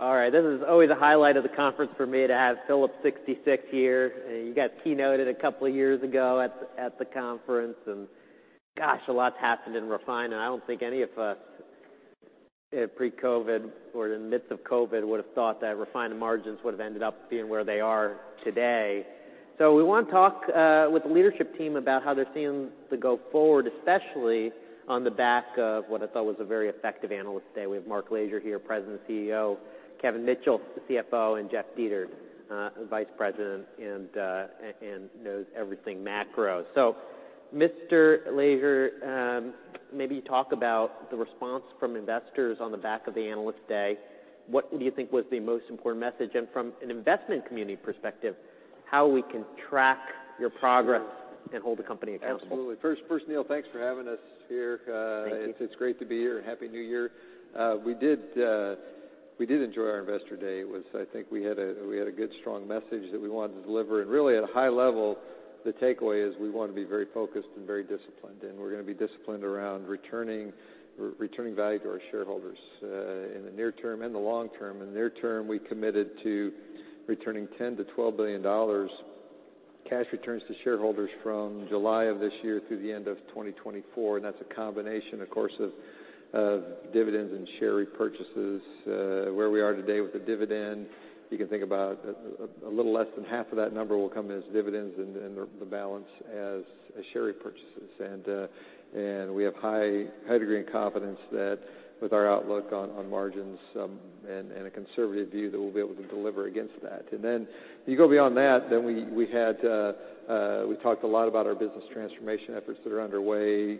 All right, this is always a highlight of the conference for me to have Phillips 66 here. You got keynoted a couple of years ago at the conference. Gosh, a lot's happened in refining. I don't think any of us in pre-COVID or in the midst of COVID would have thought that refining margins would have ended up being where they are today. We want to talk with the leadership team about how they're seeing the go forward, especially on the back of what I thought was a very effective Analyst Day. We have Mark Lashier here, President and CEO, Kevin Mitchell, the CFO, and Jeff Dietert, Vice President, and knows everything macro. Mr. Lashier, maybe talk about the response from investors on the back of the Analyst Day. What do you think was the most important message? From an investment community perspective, how we can track your progress and hold the company accountable? Absolutely. First, Neil, thanks for having us here. Thank you. It's great to be here. Happy New Year. We did enjoy our Investor Day. I think we had a good, strong message that we wanted to deliver. Really at a high level, the takeaway is we want to be very focused and very disciplined, and we're gonna be disciplined around returning value to our shareholders in the near term and the long term. In the near term, we committed to returning $10 billion-$12 billion cash returns to shareholders from July of this year through the end of 2024, and that's a combination, of course, of dividends and share repurchases. Where we are today with the dividend, you can think about a little less than half of that number will come in as dividends and then the balance as share repurchases. We have high degree of confidence that with our outlook on margins, and a conservative view that we'll be able to deliver against that. Then you go beyond that, we had, we talked a lot about our business transformation efforts that are underway,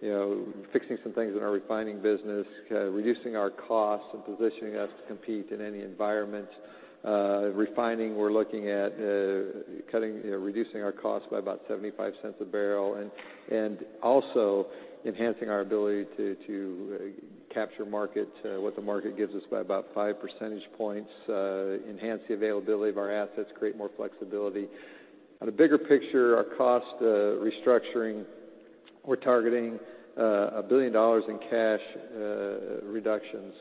you know, fixing some things in our refining business, reducing our costs and positioning us to compete in any environment. Refining, we're looking at reducing our costs by about $0.75 a barrel. Also enhancing our ability to capture market what the market gives us by about 5 percentage points, enhance the availability of our assets, create more flexibility. On the bigger picture, our cost restructuring, we're targeting $1 billion in cash reductions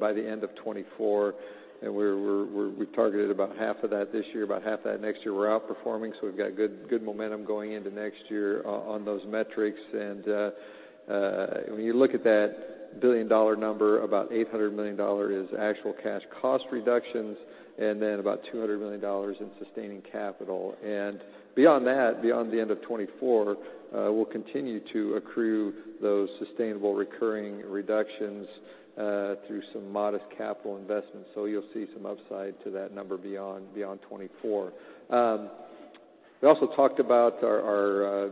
by the end of 2024. We've targeted about half of that this year, about half that next year. We're outperforming, so we've got good momentum going into next year on those metrics. When you look at that billion-dollar number, about $800 million is actual cash cost reductions and then about $200 million in sustaining capital. Beyond that, beyond the end of 2024, we'll continue to accrue those sustainable recurring reductions through some modest capital investments. You'll see some upside to that number beyond 2024. We also talked about our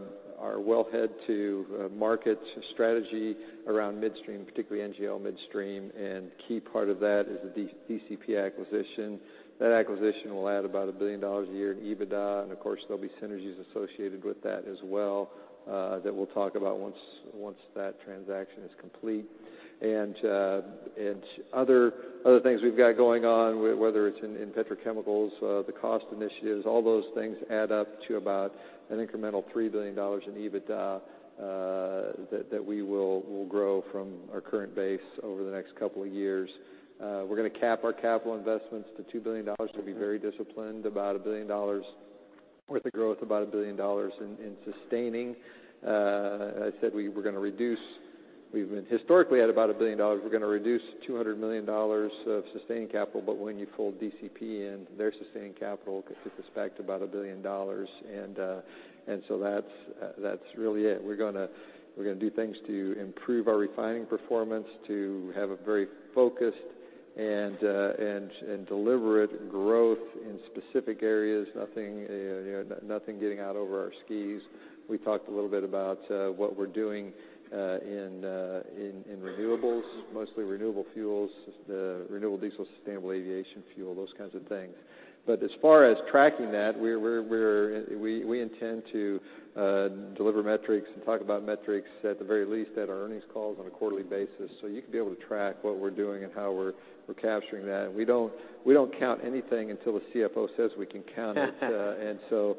wellhead to market strategy around midstream, particularly NGL midstream. Key part of that is the DCP acquisition. That acquisition will add about $1 billion a year in EBITDA. Of course, there'll be synergies associated with that as well that we'll talk about once that transaction is complete. Other things we've got going on, whether it's in petrochemicals, the cost initiatives, all those things add up to about an incremental $3 billion in EBITDA that we will grow from our current base over the next couple of years. We're gonna cap our capital investments to $2 billion. We'll be very disciplined, about $1 billion worth of growth, about $1 billion in sustaining. I said we were gonna reduce. We've been historically at about $1 billion. We're gonna reduce $200 million of sustaining capital. When you fold DCP in, their sustaining capital gets us back to about $1 billion. That's really it. We're gonna do things to improve our refining performance, to have a very focused and deliberate growth in specific areas. Nothing, you know, nothing getting out over our skis. We talked a little bit about what we're doing in renewables, mostly renewable fuels, renewable diesel, sustainable aviation fuel, those kinds of things. As far as tracking that, we're, we intend to deliver metrics and talk about metrics at the very least at our earnings calls on a quarterly basis, so you can be able to track what we're doing and how we're capturing that. We don't count anything until the CFO says we can count it. We'll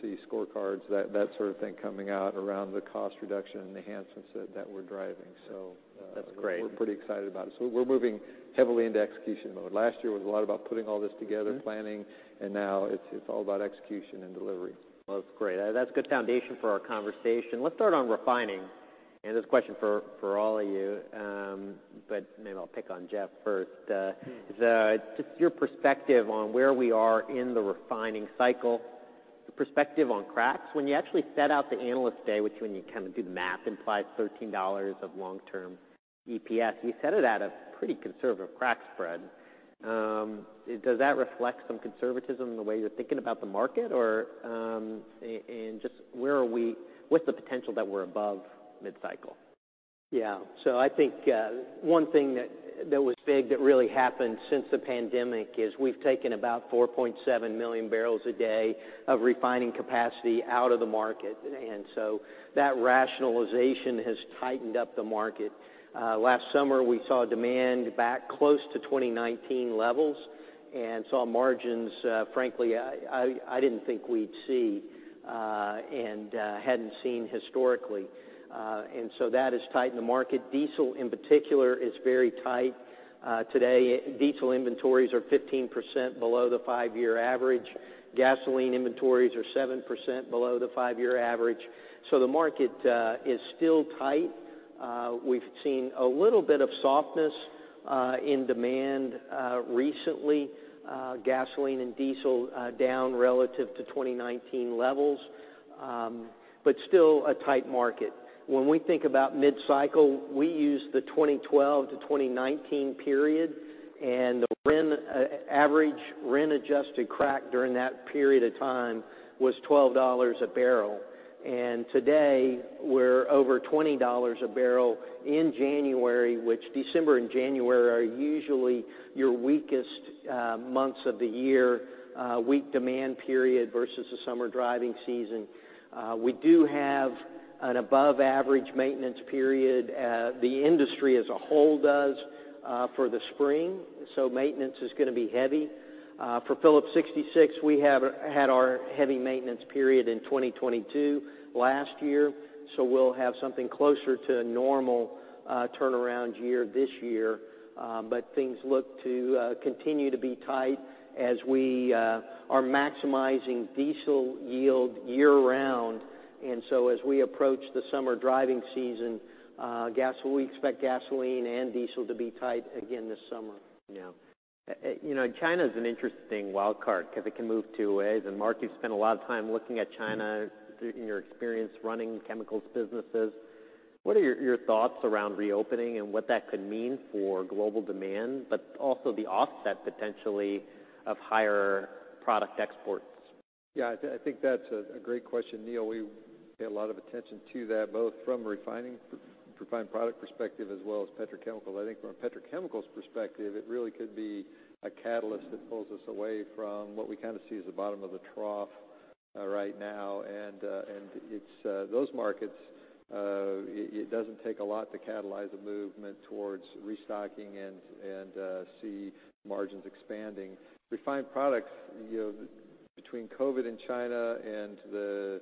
see scorecards, that sort of thing coming out around the cost reduction and enhancements that we're driving. That's great. We're pretty excited about it. We're moving heavily into execution mode. Last year was a lot about putting all this together. Mm-hmm planning. Now it's all about execution and delivery. Well, that's great. That's a good foundation for our conversation. Let's start on refining. This is a question for all of you, but maybe I'll pick on Jeff first. Mm-hmm. just your perspective on where we are in the refining cycle, the perspective on cracks. When you actually set out the Analyst Day, which when you kind of do the math implies $13 of long-term EPS, you set it at a pretty conservative crack spread. Does that reflect some conservatism in the way you're thinking about the market? Or just where are we with the potential that we're above mid-cycle? Yeah. I think one thing that was big that really happened since the pandemic is we've taken about 4.7 MMbpd of refining capacity out of the market. That rationalization has tightened up the market. Last summer, we saw demand back close to 2019 levels and saw margins, frankly, I didn't think we'd see and hadn't seen historically. That has tightened the market. Diesel, in particular, is very tight. Today diesel inventories are 15% below the five-year average. Gasoline inventories are 7% below the five-year average. The market is still tight. We've seen a little bit of softness in demand recently. Gasoline and diesel down relative to 2019 levels, but still a tight market. When we think about mid-cycle, we use the 2012-2019 period, and the RIN-adjusted crack during that period of time was $12 a barrel. Today we're over $20 a barrel in January, which December and January are usually your weakest months of the year, weak demand period versus the summer driving season. We do have an above-average maintenance period, the industry as a whole does, for the spring, so maintenance is gonna be heavy. For Phillips 66, we have had our heavy maintenance period in 2022 last year, so we'll have something closer to a normal turnaround year this year. Things look to continue to be tight as we are maximizing diesel yield year-round. As we approach the summer driving season, we expect gasoline and diesel to be tight again this summer. Yeah. you know, China is an interesting wild card 'cause it can move two ways. Mark, you've spent a lot of time looking at China in your experience running chemicals businesses. What are your thoughts around reopening and what that could mean for global demand, but also the offset potentially of higher product exports? Yeah, I think that's a great question, Neil. We pay a lot of attention to that, both from refining, re-refined product perspective as well as petrochemical. I think from a petrochemical's perspective, it really could be a catalyst that pulls us away from what we kinda see as the bottom of the trough right now. It's those markets, it doesn't take a lot to catalyze a movement towards restocking and see margins expanding. Refined products, you know, between COVID and China and the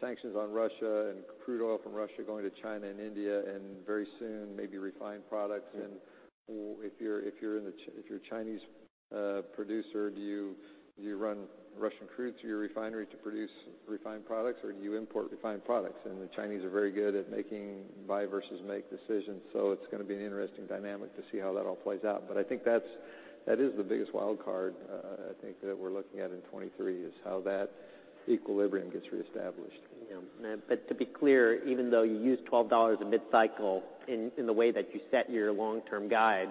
sanctions on Russia and crude oil from Russia going to China and India, and very soon maybe refined products. If you're, if you're in the if you're a Chinese producer, do you, do you run Russian crude through your refinery to produce refined products, or do you import refined products? The Chinese are very good at making buy versus make decisions, so it's gonna be an interesting dynamic to see how that all plays out. I think that is the biggest wild card, I think that we're looking at in 2023, is how that equilibrium gets reestablished. Yeah. To be clear, even though you use $12 a mid-cycle in the way that you set your long-term guide,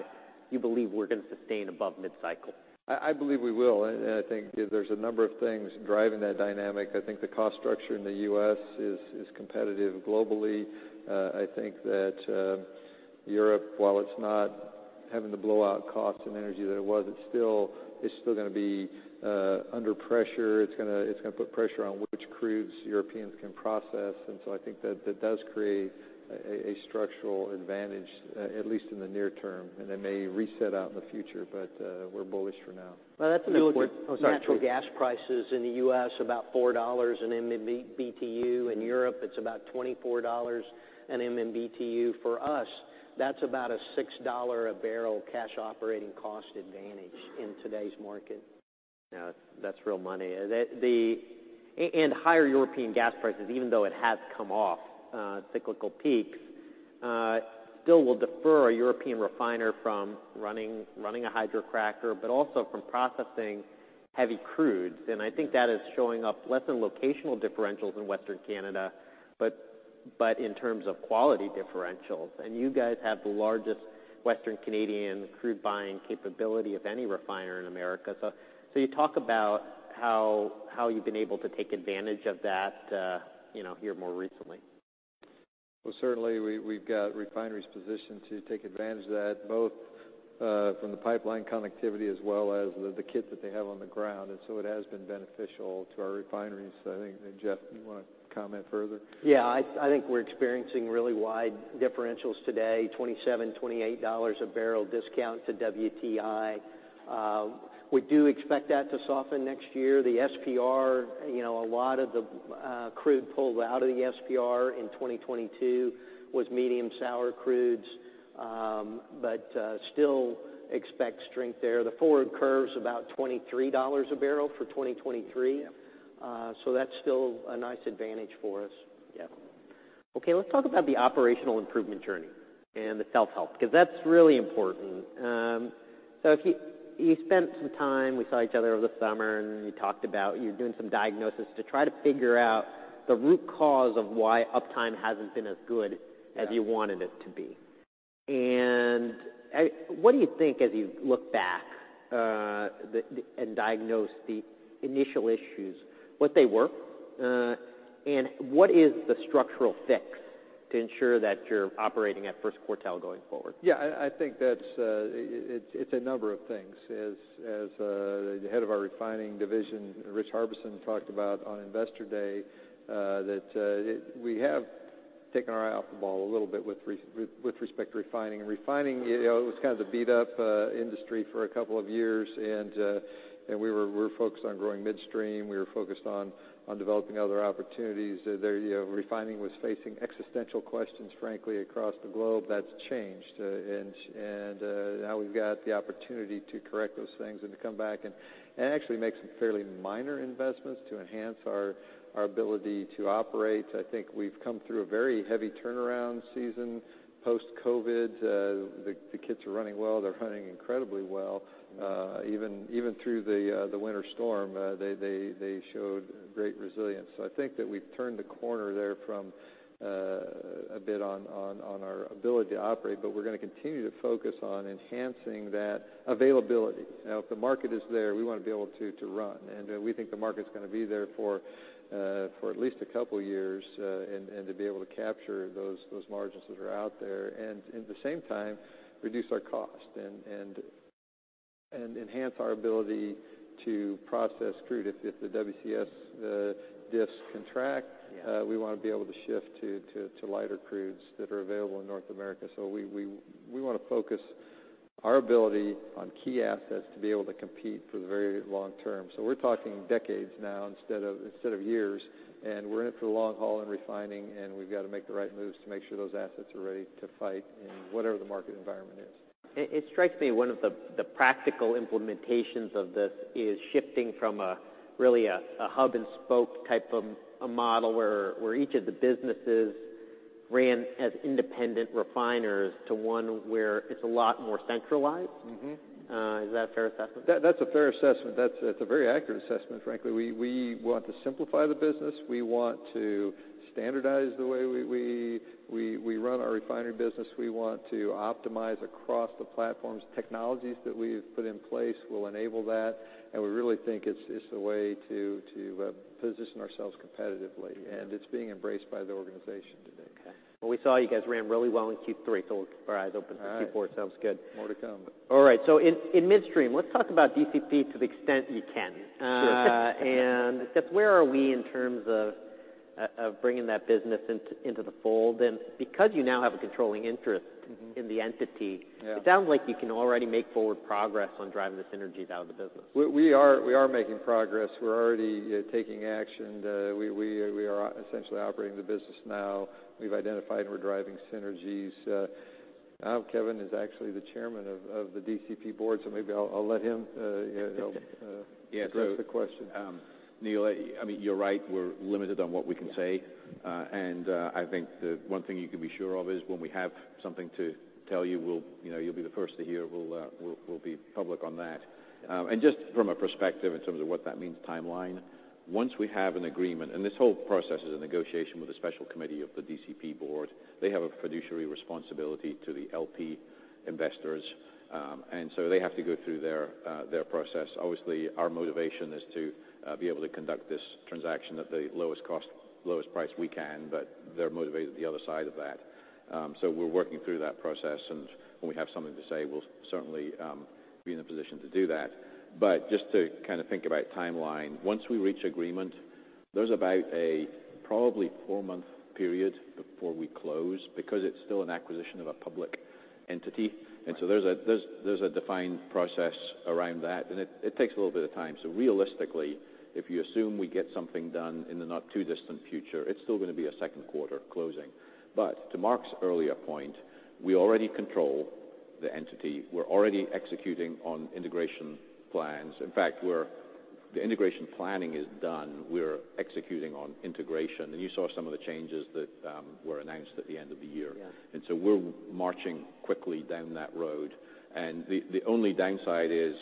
you believe we're gonna sustain above mid-cycle? I believe we will, and I think there's a number of things driving that dynamic. I think the cost structure in the U.S. is competitive globally. I think that Europe, while it's not having the blowout cost and energy that it was, it's still gonna be under pressure. It's gonna put pressure on which crudes Europeans can process. I think that that does create a structural advantage, at least in the near term. It may reset out in the future, but we're bullish for now. Well, that's a. Export. Oh, sorry. Natural gas prices in the U.S., about $4 an MMBtu. In Europe, it's about $24 an MMBtu. For us, that's about a $6 a barrel cash operating cost advantage in today's market. Yeah. That's real money. And higher European gas prices, even though it has come off cyclical peaks, still will defer a European refiner from running a hydrocracker, but also from processing heavy crudes. I think that is showing up less in locational differentials in Western Canada, but in terms of quality differentials. You guys have the largest Western Canadian crude buying capability of any refiner in America. You talk about how you've been able to take advantage of that, you know, here more recently. Well, certainly we've got refineries positioned to take advantage of that, both from the pipeline connectivity as well as the kit that they have on the ground. It has been beneficial to our refineries. I think that, Jeff, you wanna comment further? Yeah. I think we're experiencing really wide differentials today, $27, $28 a barrel discount to WTI. We do expect that to soften next year. The SPR, you know, a lot of the crude pulled out of the SPR in 2022 was medium sour crudes. Still expect strength there. The forward curve's about $23 a barrel for 2023. Yeah. That's still a nice advantage for us. Yeah. Okay, let's talk about the operational improvement journey and the self-help 'cause that's really important. You spent some time, we saw each other over the summer and we talked about you're doing some diagnosis to try to figure out the root cause of why uptime hasn't been as good as- Yeah.... you wanted it to be. What do you think as you look back, and diagnose the initial issues, what they were, and what is the structural fix to ensure that you're operating at first quartile going forward? Yeah, I think that's, it's a number of things. As, as the head of our refining division, Rich Harbison, talked about on Investor Day, that we have taken our eye off the ball a little bit with respect to refining. Refining, you know, it was kind of the beat-up industry for a couple of years and we're focused on growing midstream. We were focused on developing other opportunities. You know, refining was facing existential questions, frankly, across the globe. That's changed, and now we've got the opportunity to correct those things and to come back and actually make some fairly minor investments to enhance our ability to operate. I think we've come through a very heavy turnaround season post-COVID. The kits are running well. They're running incredibly well. Even through the winter storm, they showed great resilience. I think that we've turned the corner there from a bit on our ability to operate, but we're gonna continue to focus on enhancing that availability. Now, if the market is there, we wanna be able to run, and we think the market's gonna be there for at least a couple years, and to be able to capture those margins that are out there, and at the same time reduce our cost and enhance our ability to process crude. If the WCS diffs contract- Yeah We wanna be able to shift to lighter crudes that are available in North America. We wanna focus our ability on key assets to be able to compete for the very long term. We're talking decades now instead of years. We're in it for the long haul in refining. We've got to make the right moves to make sure those assets are ready to fight in whatever the market environment is. It strikes me one of the practical implementations of this is shifting from a really a hub and spoke type of a model, where each of the businesses ran as independent refiners to one where it's a lot more centralized. Mm-hmm. Is that a fair assessment? That's a fair assessment. That's a very accurate assessment, frankly. We want to simplify the business. We want to standardize the way we run our refinery business. We want to optimize across the platforms. Technologies that we've put in place will enable that, we really think it's the way to position ourselves competitively, it's being embraced by the organization today. Okay. Well, we saw you guys ran really well in Q3. We'll keep our eyes open. All right. Q4 sounds good. More to come. In midstream, let's talk about DCP to the extent you can. Sure. Just where are we in terms of bringing that business into the fold? Because you now have a controlling interest- Mm-hmm. in the entity. Yeah. It sounds like you can already make forward progress on driving the synergies out of the business. We are making progress. We're already taking action. We are essentially operating the business now. We've identified and we're driving synergies. Now Kevin is actually the Chairman of the DCP board, so maybe I'll let him address the question. Yeah. Neil, I mean, you're right. We're limited on what we can say. Yeah. I think the one thing you can be sure of is when we have something to tell you, we'll, you know, you'll be the first to hear. We'll, we'll be public on that. Just from a perspective in terms of what that means timeline, once we have an agreement, and this whole process is a negotiation with the special committee of the DCP Board. They have a fiduciary responsibility to the LP investors, so they have to go through their process. Obviously, our motivation is to be able to conduct this transaction at the lowest cost, lowest price we can, but they're motivated at the other side of that. We're working through that process, and when we have something to say, we'll certainly be in a position to do that. Just to kind of think about timeline, once we reach agreement, there's about a probably four-month period before we close because it's still an acquisition of a public entity. Right. There's a defined process around that, and it takes a little bit of time. Realistically, if you assume we get something done in the not too distant future, it's still gonna be a second quarter closing. To Mark's earlier point, we already control the entity. We're already executing on integration plans. In fact, the integration planning is done. We're executing on integration, and you saw some of the changes that were announced at the end of the year. Yeah. We're marching quickly down that road. The only downside is,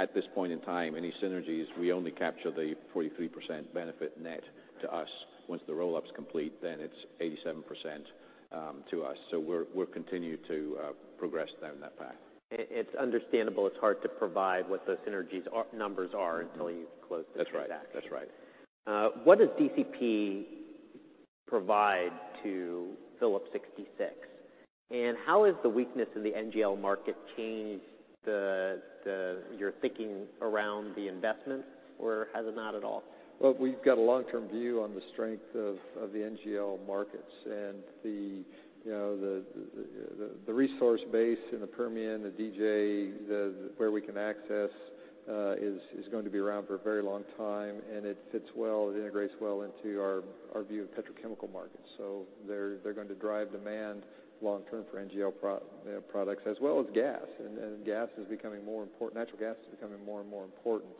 at this point in time, any synergies, we only capture the 43% benefit net to us. Once the roll-up's complete, it's 87% to us. We'll continue to progress down that path. It's understandable. It's hard to provide what those synergies numbers are until you've closed the transaction. That's right. That's right. What does DCP provide to Phillips 66? How has the weakness in the NGL market changed your thinking around the investment, or has it not at all? Well, we've got a long-term view on the strength of the NGL markets and, you know, the resource base in the Permian, the DJ, where we can access is going to be around for a very long time, and it fits well, it integrates well into our view of petrochemical markets. They're going to drive demand long term for NGL products as well as gas. Gas is becoming more important. Natural gas is becoming more and more important.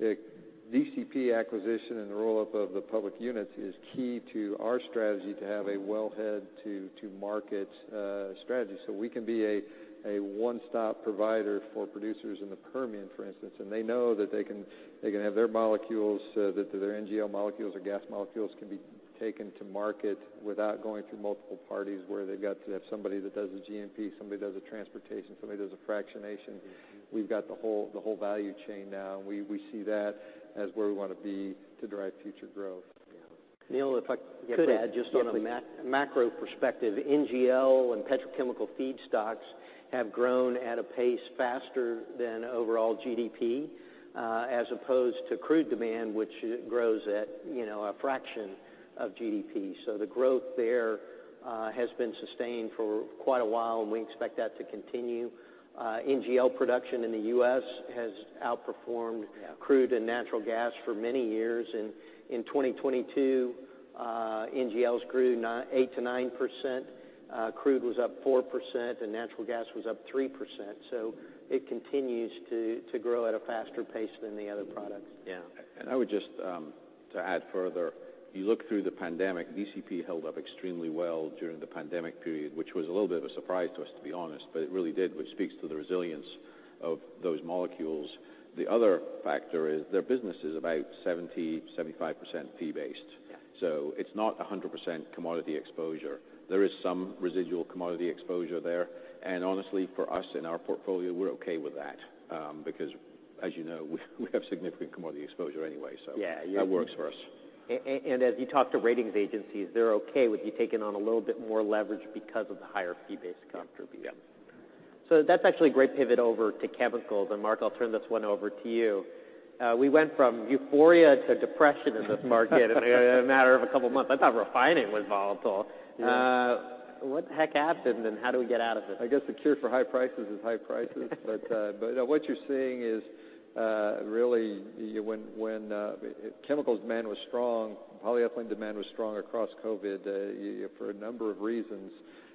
The DCP acquisition and the roll-up of the public units is key to our strategy to have a wellhead to market strategy. We can be a one-stop provider for producers in the Permian, for instance. They know that they can have their molecules, that their NGL molecules or gas molecules can be taken to market without going through multiple parties where they've got to have somebody that does the G&P, somebody does the transportation, somebody does the fractionation. We've got the whole value chain now. We see that as where we wanna be to drive future growth. Yeah. Neil, if I could add just on a macro perspective, NGL and petrochemical feedstocks have grown at a pace faster than overall GDP, as opposed to crude demand, which grows at, you know, a fraction of GDP. The growth there has been sustained for quite a while, and we expect that to continue. NGL production in the U.S. has outperformed. Yeah.... crude and natural gas for many years. In 2022, NGLs grew 8%-9%. Crude was up 4%, and natural gas was up 3%. It continues to grow at a faster pace than the other products. Yeah. I would just, to add further, you look through the pandemic, DCP held up extremely well during the pandemic period, which was a little bit of a surprise to us, to be honest. It really did, which speaks to the resilience of those molecules. The other factor is their business is about 70%-75% fee-based. Yeah. It's not 100% commodity exposure. There is some residual commodity exposure there. Honestly, for us in our portfolio, we're okay with that, because as you know, we have significant commodity exposure anyway. Yeah. that works for us. As you talk to ratings agencies, they're okay with you taking on a little bit more leverage because of the higher fee-based contribution. Yeah. That's actually a great pivot over to chemicals. Mark, I'll turn this one over to you. We went from euphoria to depression in this market in a matter of a couple of months. I thought refining was volatile. Yeah. What the heck happened, and how do we get out of it? I guess the cure for high prices is high prices. What you're seeing is really when chemicals demand was strong, polyethylene demand was strong across COVID for a number of reasons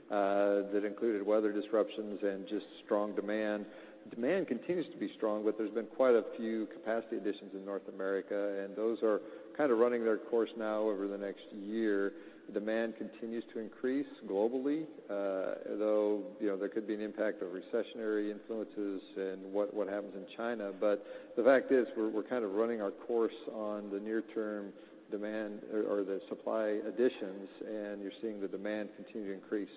that included weather disruptions and just strong demand. Demand continues to be strong, but there's been quite a few capacity additions in North America, and those are kind of running their course now over the next year. Demand continues to increase globally, though, you know, there could be an impact of recessionary influences and what happens in China. The fact is, we're kind of running our course on the near-term demand or the supply additions, and you're seeing the demand continue to increase.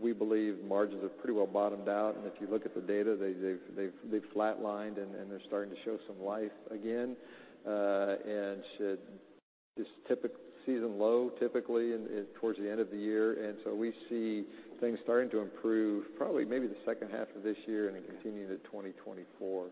We believe margins have pretty well bottomed out. If you look at the data, they've flatlined, and they're starting to show some life again, and should just season low typically in towards the end of the year. We see things starting to improve probably maybe the second half of this year and then continuing to 2024.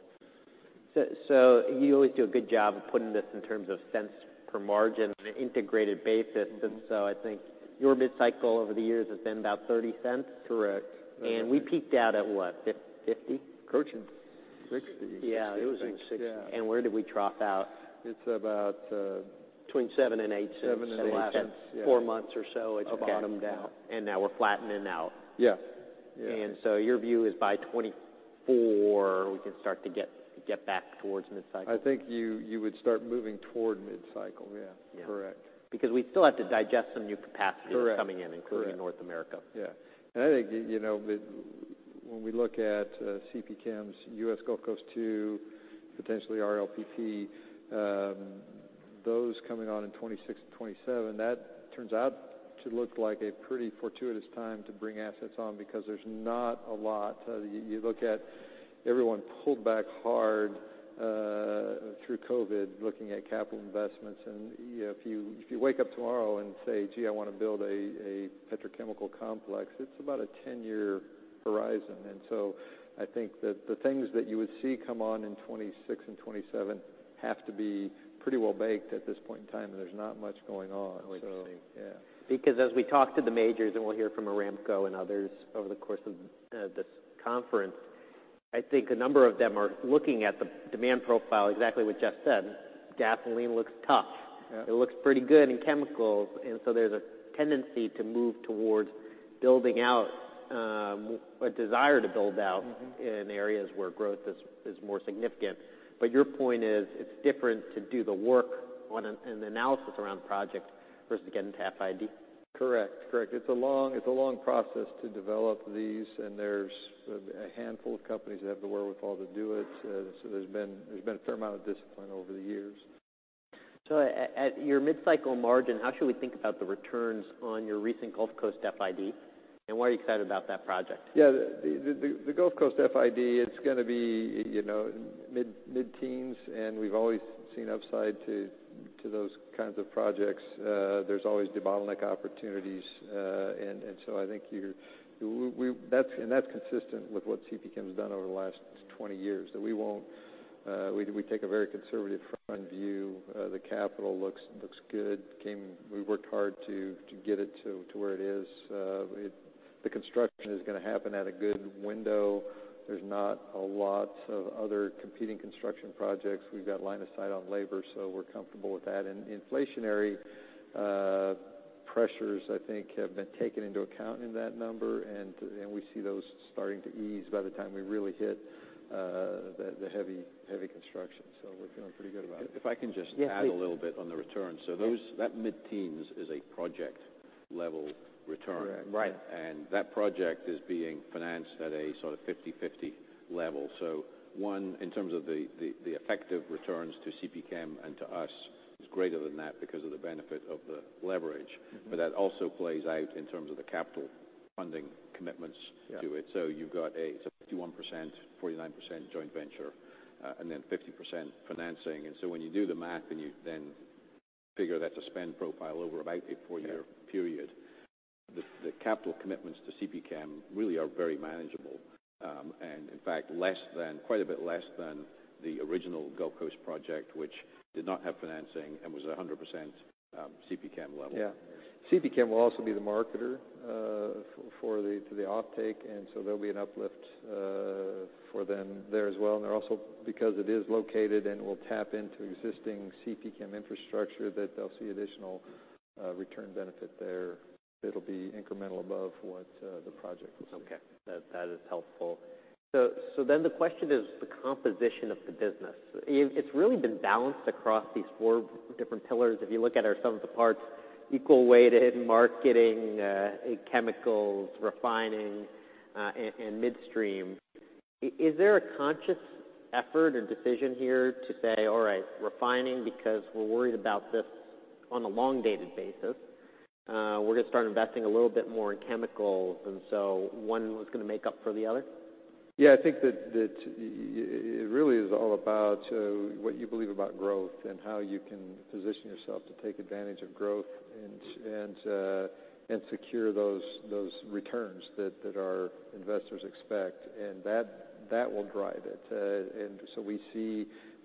You always do a good job of putting this in terms of cents per margin on an integrated basis. Mm-hmm. I think your mid-cycle over the years has been about $0.30. Correct. We peaked out at what, $0.50? Approaching $0.60. Yeah, it was in the 60s. Yeah. Where did we drop out? It's about. Between seven and eight. $0.078, yeah.... the last four months or so it's bottomed out. About. Now we're flattening out. Yeah. Yeah. Your view is by 2024, we can start to get back towards mid-cycle. I think you would start moving toward mid-cycle. Yeah. Yeah. Correct. We still have to digest some new capacity. Correct... that's coming in, including North America. Yeah. I think, you know, when we look at, CPChem's US Gulf Coast II, potentially RLPP, those coming on in 2026 and 2027, that turns out to look like a pretty fortuitous time to bring assets on because there's not a lot. You look at everyone pulled back hard through COVID, looking at capital investments. If you, if you wake up tomorrow and say, "Gee, I wanna build a petrochemical complex," it's about a 10-year horizon. So I think that the things that you would see come on in 2026 and 2027 have to be pretty well-baked at this point in time, and there's not much going on. I would think. Yeah. As we talk to the majors, and we'll hear from Aramco and others over the course of this conference, I think a number of them are looking at the demand profile, exactly what Jeff said. Gasoline looks tough. Yeah. It looks pretty good in chemicals, there's a tendency to move towards building out. Mm-hmm.... in areas where growth is more significant. Your point is, it's different to do the work on an analysis around project versus getting to FID. Correct. It's a long process to develop these. There's a handful of companies that have the wherewithal to do it. There's been a fair amount of discipline over the years. at your mid-cycle margin, how should we think about the returns on your recent Gulf Coast FID? Why are you excited about that project? Yeah. The Gulf Coast FID, it's gonna be, you know, mid-teens, and we've always seen upside to those kinds of projects. There's always debottleneck opportunities. I think that's consistent with what CP Chem's done over the last 20 years. That we won't. We take a very conservative front view. The capital looks good. We worked hard to get it to where it is. The construction is gonna happen at a good window. There's not a lot of other competing construction projects. We've got line of sight on labor, so we're comfortable with that. Inflationary pressures, I think, have been taken into account in that number, and we see those starting to ease by the time we really hit the heavy construction. We're feeling pretty good about it. If I can just- Yeah, please. add a little bit on the returns. Yeah. That mid-teens is a project-level return. Correct. Right. That project is being financed at a sort of 50/50 level. One, in terms of the effective returns to CPChem and to us is greater than that because of the benefit of the leverage. Mm-hmm. That also plays out in terms of the capital funding commitments... Yeah. ...to it. You've got it's a 51%, 49% joint venture, and then 50% financing. When you do the math and you then figure that's a spend profile over about a four-year period- Yeah. the capital commitments to CPChem really are very manageable. In fact, less than quite a bit less than the original Gulf Coast project, which did not have financing and was 100% CPChem level. Yeah. CPChem will also be the marketer, to the offtake, and so there'll be an uplift for them there as well. They're also, because it is located and will tap into existing CPChem infrastructure, that they'll see additional return benefit there that'll be incremental above what the project will see. Okay. That is helpful. The question is the composition of the business. It's really been balanced across these four different pillars. If you look at our sum of the parts, equal weighted marketing, in chemicals, refining, and midstream. Is there a conscious effort or decision here to say, "All right, refining, because we're worried about this on a long-dated basis, we're gonna start investing a little bit more in chemicals," one was gonna make up for the other? Yeah, I think that it really is all about what you believe about growth and how you can position yourself to take advantage of growth and secure those returns that our investors expect, and that will drive it. We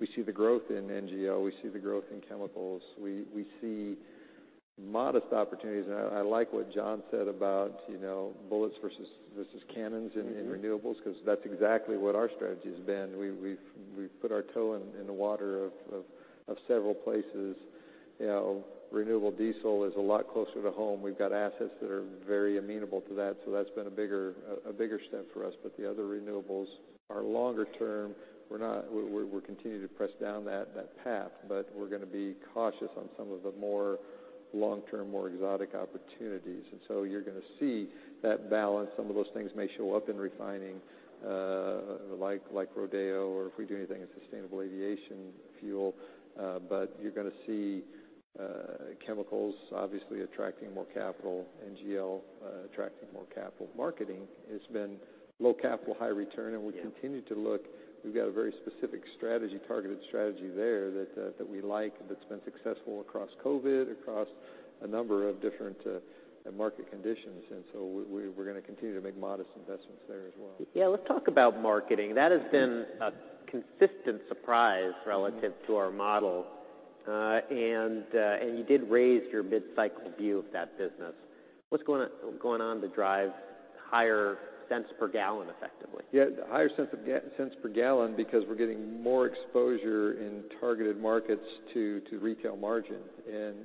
see the growth in NGL, we see the growth in chemicals. We see modest opportunities. I like what John said about, you know, bullets versus cannons in renewables. Mm-hmm. 'Cause that's exactly what our strategy's been. We've put our toe in the water of several places. You know, renewable diesel is a lot closer to home. We've got assets that are very amenable to that, so that's been a bigger step for us. The other renewables are longer term. We're continuing to press down that path, but we're gonna be cautious on some of the more long-term, more exotic opportunities. You're gonna see that balance. Some of those things may show up in refining, like Rodeo, or if we do anything in sustainable aviation fuel. You're gonna see chemicals obviously attracting more capital, NGL attracting more capital. Marketing has been low capital, high return. Yeah. We continue to look. We've got a very specific strategy, targeted strategy there that we like and that's been successful across COVID, across a number of different, market conditions. We're gonna continue to make modest investments there as well. Yeah. Let's talk about marketing. That has been a consistent surprise- Mm-hmm. ...relative to our model. You did raise your mid-cycle view of that business. What's going on to drive higher cents per gallon effectively? Yeah. Higher cents per gallon because we're getting more exposure in targeted markets to retail margin.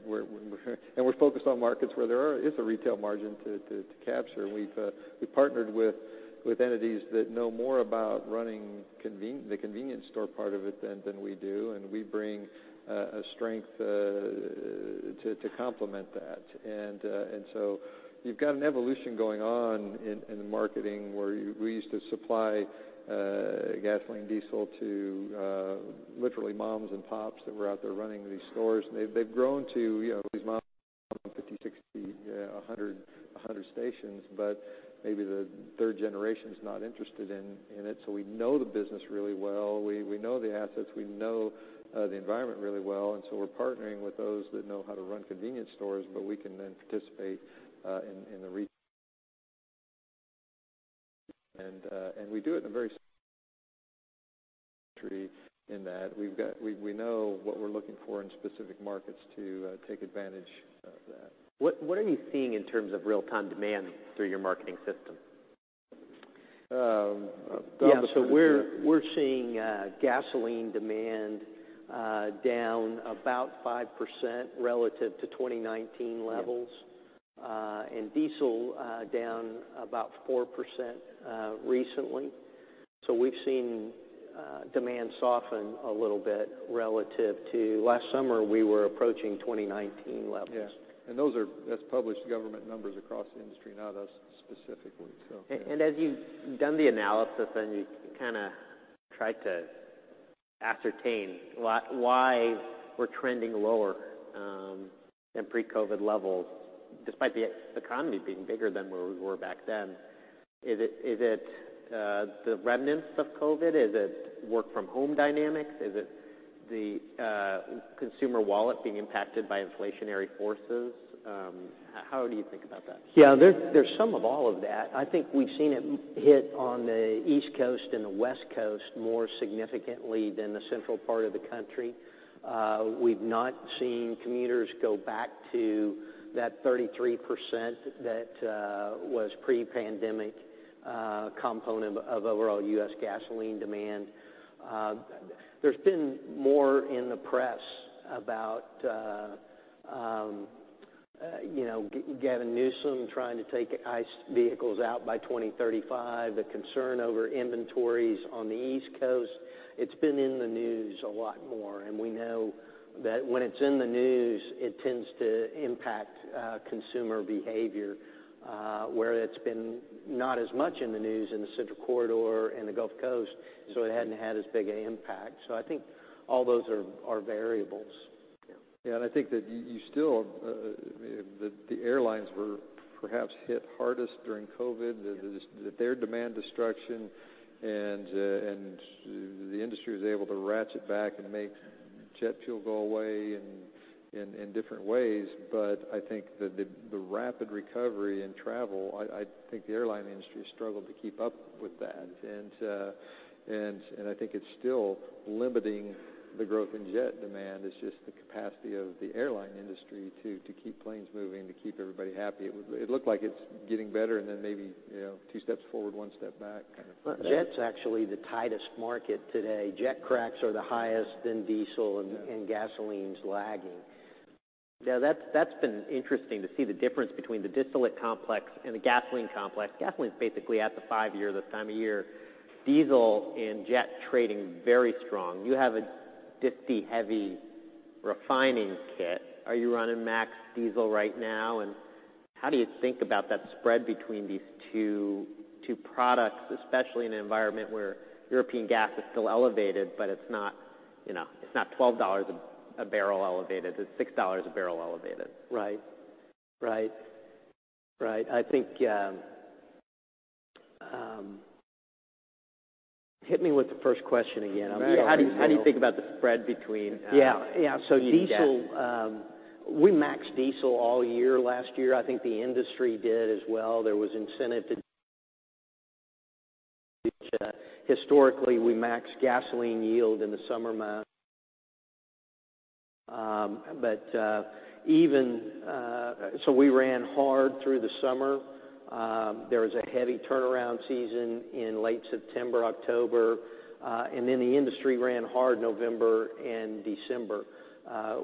We're focused on markets where there is a retail margin to capture. We've partnered with entities that know more about running the convenience store part of it than we do, and we bring a strength to complement that. You've got an evolution going on in the marketing where we used to supply gasoline and diesel to literally moms and pops that were out there running these stores. They've grown to, you know, these mom and pop 50, 60, 100 stations. Maybe the third generation's not interested in it. We know the business really well. We know the assets, we know the environment really well. We're partnering with those that know how to run convenience stores, but we can then participate. We do it in a very in that we know what we're looking for in specific markets to take advantage of that. What are you seeing in terms of real-time demand through your marketing system? Don, do you wanna- Yeah. We're seeing gasoline demand down about 5% relative to 2019 levels. Yeah. Diesel, down about 4%, recently. We've seen, demand soften a little bit relative to last summer we were approaching 2019 levels. Yeah. That's published government numbers across the industry, not us specifically, so. As you've done the analysis and you kinda tried to ascertain why we're trending lower than pre-COVID levels, despite the economy being bigger than where we were back then, is it the remnants of COVID? Is it work from home dynamics? Is it the consumer wallet being impacted by inflationary forces? How do you think about that? Yeah. There's some of all of that. I think we've seen it hit on the East Coast and the West Coast more significantly than the central part of the country. We've not seen commuters go back to that 33% that was pre-pandemic component of overall US gasoline demand. There's been more in the press about. You know, Gavin Newsom trying to take ICE vehicles out by 2035, the concern over inventories on the East Coast. It's been in the news a lot more. We know that when it's in the news, it tends to impact consumer behavior where it's been not as much in the news in the Central Corridor and the Gulf Coast. It hadn't had as big an impact. I think all those are variables. Yeah, I think that you, the airlines were perhaps hit hardest during COVID. Just their demand destruction, the industry was able to ratchet back and make jet fuel go away in different ways. I think the rapid recovery in travel, I think the airline industry has struggled to keep up with that. I think it's still limiting the growth in jet demand. It's just the capacity of the airline industry to keep planes moving, to keep everybody happy. It looked like it's getting better and then maybe, you know, two steps forward, one step back kind of thing. Well, jet's actually the tightest market today. Jet cracks are the highest in diesel- Yeah.... and gasoline's lagging. Yeah, that's been interesting to see the difference between the distillate complex and the gasoline complex. Gasoline's basically at the five-year this time of year. Diesel and jet trading very strong. You have a disty-heavy refining kit. Are you running max diesel right now? How do you think about that spread between these two products, especially in an environment where European gas is still elevated, but it's not, you know, it's not $12 a barrel elevated, it's $6 a barrel elevated. Right. Right. Right. I think. Hit me with the first question again. I'm drawing a zero. How do you think about the spread between. Yeah. Yeah.... diesel and jet? Diesel, we maxed diesel all year last year. I think the industry did as well. There was incentive to historically, we maxed gasoline yield in the summer months. We ran hard through the summer. There was a heavy turnaround season in late September, October, the industry ran hard November and December.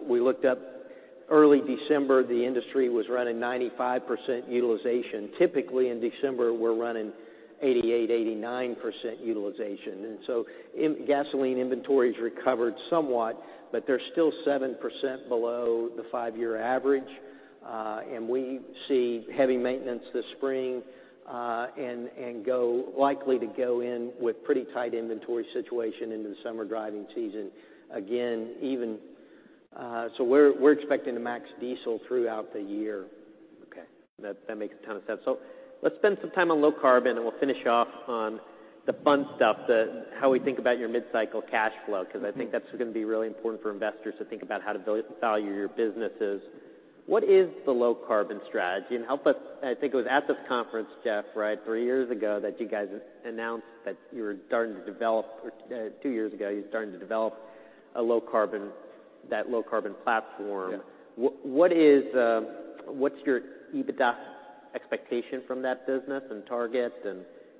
We looked up early December, the industry was running 95% utilization. Typically in December, we're running 88%-89% utilization. Gasoline inventory's recovered somewhat, but they're still 7% below the five-year average. We see heavy maintenance this spring, likely to go in with pretty tight inventory situation into the summer driving season. Again, even, we're expecting to max diesel throughout the year. Okay. That makes a ton of sense. Let's spend some time on low-carbon, and we'll finish off on the fun stuff, the how we think about your mid-cycle cash flow. 'Cause I think that's gonna be really important for investors to think about how to value your businesses. What is the low-carbon strategy? Help us. I think it was at this conference, Jeff, right, three years ago, that you guys announced that you were starting to develop, two years ago, that low-carbon platform. Yeah. What's your EBITDA expectation from that business and target, and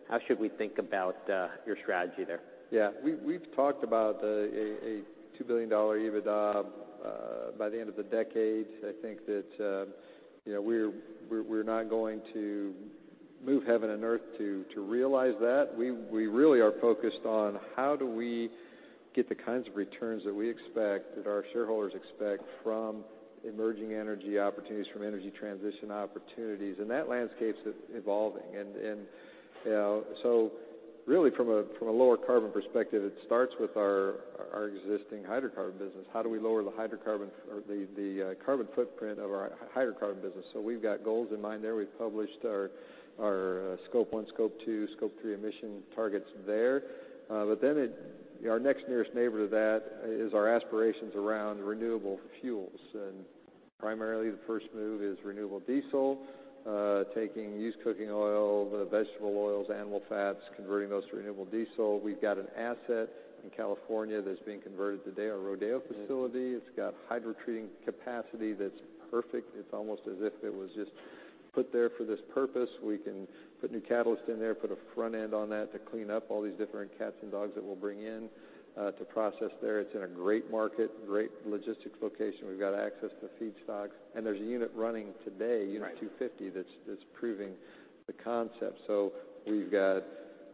how should we think about your strategy there? Yeah. We've talked about a $2 billion EBITDA by the end of the decade. I think that, you know, we're not going to move heaven and earth to realize that. We really are focused on how do we get the kinds of returns that we expect, that our shareholders expect from emerging energy opportunities, from energy transition opportunities. That landscape's evolving. You know, really from a lower carbon perspective, it starts with our existing hydrocarbon business. How do we lower the hydrocarbon or the carbon footprint of our hydrocarbon business? We've got goals in mind there. We've published our Scope 1, Scope 2, Scope 3 emission targets there. Our next nearest neighbor to that is our aspirations around renewable fuels. Primarily the first move is renewable diesel, taking used cooking oil, the vegetable oils, animal fats, converting those to renewable diesel. We've got an asset in California that's being converted today, our Rodeo facility. Mm-hmm. It's got hydrotreating capacity that's perfect. It's almost as if it was just put there for this purpose. We can put new catalyst in there, put a front end on that to clean up all these different cats and dogs that we'll bring in to process there. It's in a great market, great logistics location. We've got access to feedstocks, and there's a unit running today. Right. Unit 250 that's proving the concept. We've got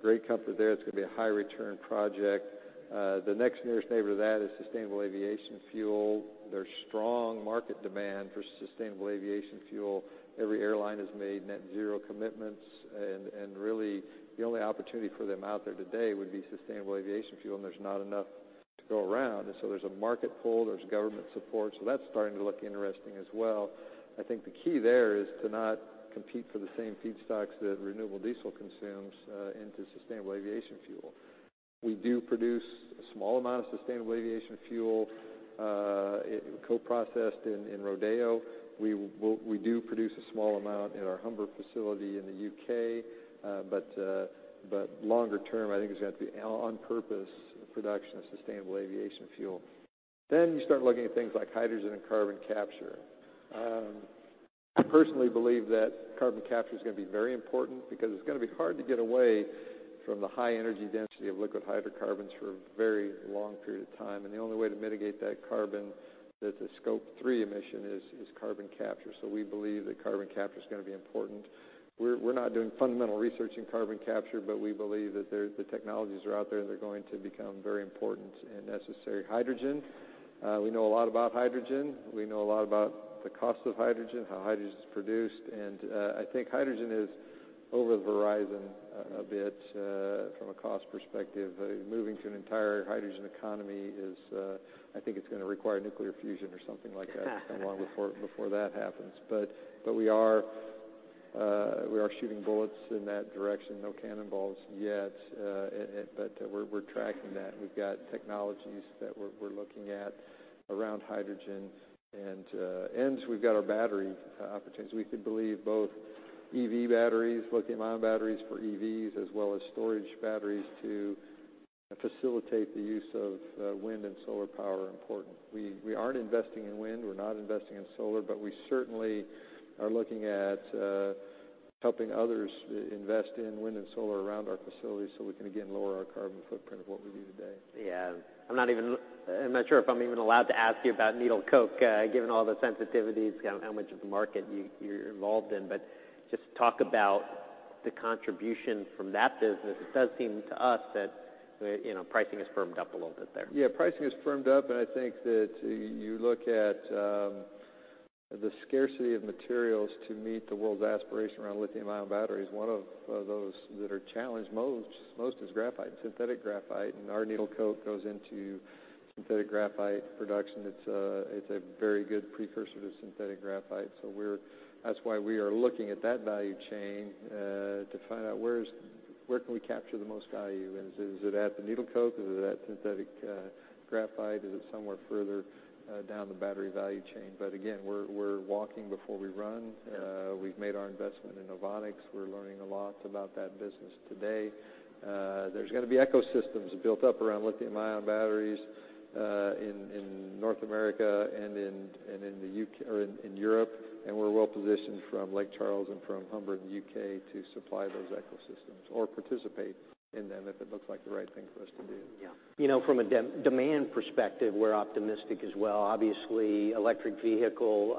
great comfort there. It's gonna be a high return project. The next nearest neighbor to that is sustainable aviation fuel. There's strong market demand for sustainable aviation fuel. Every airline has made net zero commitments. Really the only opportunity for them out there today would be sustainable aviation fuel, and there's not enough to go around. There's a market pull, there's government support. That's starting to look interesting as well. I think the key there is to not compete for the same feedstocks that renewable diesel consumes into sustainable aviation fuel. We do produce a small amount of sustainable aviation fuel, co-processed in Rodeo. We do produce a small amount in our Humber facility in the U.K. Longer term, I think it's gonna have to be on purpose production of sustainable aviation fuel. You start looking at things like hydrogen and carbon capture. I personally believe that carbon capture is gonna be very important because it's gonna be hard to get away from the high energy density of liquid hydrocarbons for a very long period of time. The only way to mitigate that carbon, that Scope 3 emission is carbon capture. We believe that carbon capture is gonna be important. We're not doing fundamental research in carbon capture, but we believe that the technologies are out there, and they're going to become very important and necessary. Hydrogen. We know a lot about hydrogen. We know a lot about the cost of hydrogen, how hydrogen's produced. I think hydrogen is over the horizon a bit from a cost perspective. Moving to an entire hydrogen economy is, I think it's gonna require nuclear fusion or something like that. It's gonna be long before that happens. We are shooting bullets in that direction. No cannonballs yet, but we're tracking that, and we've got technologies that we're looking at around hydrogen. We've got our battery opportunities. We could believe both EV batteries, lithium-ion batteries for EVs, as well as storage batteries to facilitate the use of wind and solar power are important. We aren't investing in wind, we're not investing in solar, but we certainly are looking at helping others invest in wind and solar around our facilities so we can, again, lower our carbon footprint of what we do today. Yeah. I'm not even I'm not sure if I'm even allowed to ask you about needle coke, given all the sensitivities around how much of the market you're involved in. Just talk about the contribution from that business. It does seem to us that, you know, pricing has firmed up a little bit there. Yeah, pricing has firmed up. I think that you look at, the scarcity of materials to meet the world's aspiration around lithium-ion batteries, one of those that are challenged most is graphite, synthetic graphite. Our needle coke goes into synthetic graphite production. It's a very good precursor to synthetic graphite. That's why we are looking at that value chain, to find out where can we capture the most value. Is it at the needle coke, or is it at synthetic graphite? Is it somewhere further down the battery value chain? Again, we're walking before we run. Yeah. We've made our investment in NOVONIX. We're learning a lot about that business today. There's gonna be ecosystems built up around lithium-ion batteries in North America and in Europe. We're well-positioned from Lake Charles and from Humber in the U.K. to supply those ecosystems or participate in them if it looks like the right thing for us to do. Yeah. You know, from a demand perspective, we're optimistic as well. Obviously, electric vehicle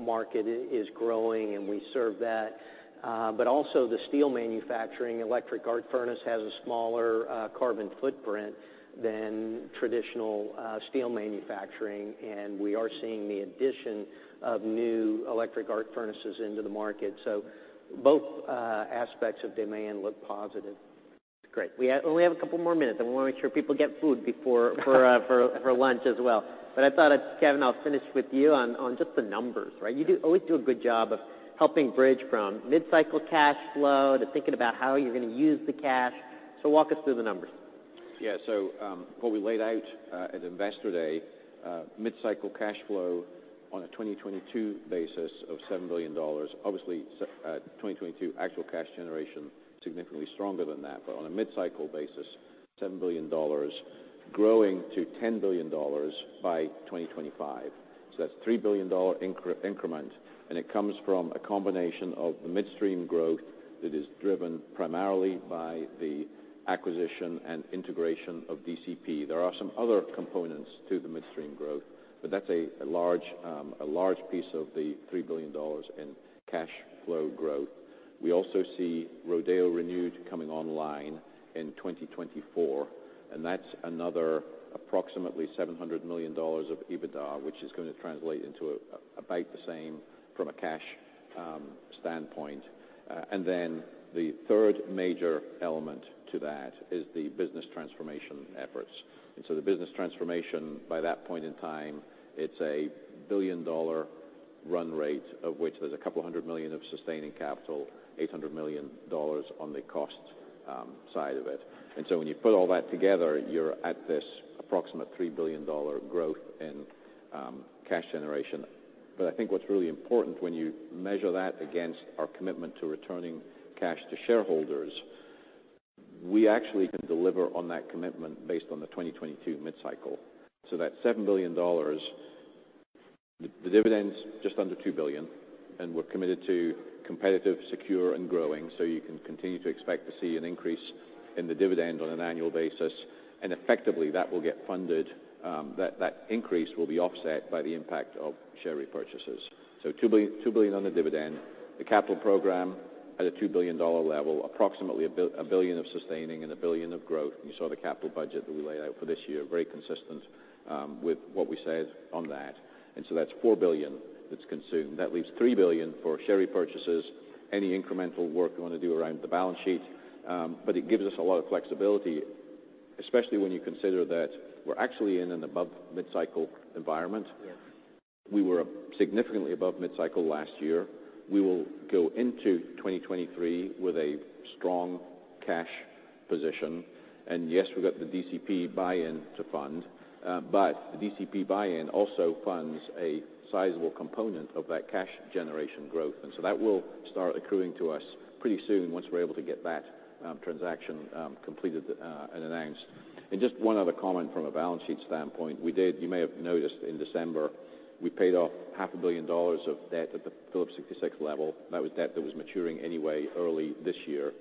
market is growing, and we serve that. Also the steel manufacturing electric arc furnace has a smaller carbon footprint than traditional steel manufacturing. We are seeing the addition of new electric arc furnaces into the market. Both aspects of demand look positive. Great. We only have a couple more minutes, and we wanna make sure people get food for lunch as well. I thought, Kevin, I'll finish with you on just the numbers, right? You always do a good job of helping bridge from mid-cycle cash flow to thinking about how you're gonna use the cash. Walk us through the numbers. What we laid out at Investor Day, mid-cycle cash flow on a 2022 basis of $7 billion. Obviously 2022 actual cash generation, significantly stronger than that. On a mid-cycle basis, $7 billion growing to $10 billion by 2025. That's a $3 billion increment, and it comes from a combination of the midstream growth that is driven primarily by the acquisition and integration of DCP. There are some other components to the midstream growth, that's a large piece of the $3 billion in cash flow growth. We also see Rodeo Renewed coming online in 2024, that's another approximately $700 million of EBITDA, which is gonna translate into about the same from a cash standpoint. The third major element to that is the business transformation efforts. The business transformation, by that point in time, it's a billion-dollar run rate, of which there's $200 million of sustaining capital, $800 million on the cost side of it. When you put all that together, you're at this approximate $3 billion growth in cash generation. I think what's really important when you measure that against our commitment to returning cash to shareholders, we actually can deliver on that commitment based on the 2022 mid-cycle. That $7 billion, the dividend's just under $2 billion, and we're committed to competitive, secure, and growing. You can continue to expect to see an increase in the dividend on an annual basis. Effectively, that will get funded, that increase will be offset by the impact of share repurchases. Two billion on the dividend. The capital program at a $2 billion level, approximately $1 billion of sustaining and $1 billion of growth. You saw the capital budget that we laid out for this year, very consistent with what we said on that. That's $4 billion that's consumed. That leaves $3 billion for share repurchases, any incremental work we wanna do around the balance sheet. It gives us a lot of flexibility, especially when you consider that we're actually in an above mid-cycle environment. Yeah. We were significantly above mid-cycle last year. We will go into 2023 with a strong cash position. Yes, we've got the DCP buy-in to fund, but the DCP buy-in also funds a sizable component of that cash generation growth. That will start accruing to us pretty soon once we're able to get that transaction completed and announced. Just one other comment from a balance sheet standpoint. You may have noticed in December, we paid off half a billion dollars of debt at the Phillips 66 level. That was debt that was maturing anyway early this year.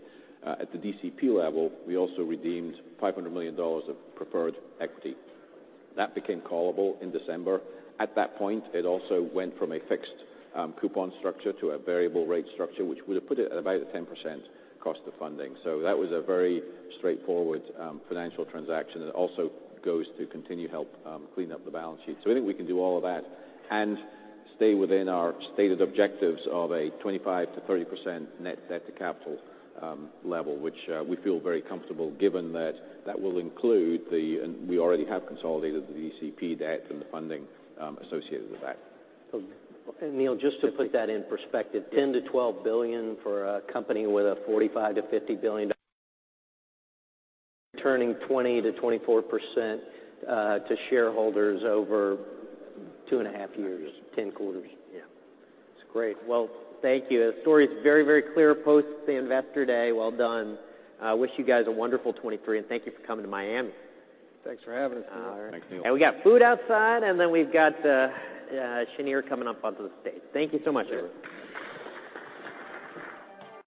At the DCP level, we also redeemed $500 million of preferred equity. That became callable in December. At that point, it also went from a fixed coupon structure to a variable rate structure, which would have put it at about a 10% cost of funding. That was a very straightforward financial transaction that also goes to continue help clean up the balance sheet. I think we can do all of that and stay within our stated objectives of a 25%-30% net debt to capital level, which we feel very comfortable given that that will include and we already have consolidated the DCP debt and the funding associated with that. Neil, just to put that in perspective, $10 billion-$12 billion for a company with a $45 billion-$50 billion returning 20%-24% to shareholders over 2.5 years. 10 quarters. Yeah. That's great. Well, thank you. The story's very, very clear post the Investor Day. Well done. I wish you guys a wonderful 2023, and thank you for coming to Miami. Thanks for having us, Neil. Thanks, Neil. We got food outside, and then we've got Cheniere coming up onto the stage. Thank you so much, everyone.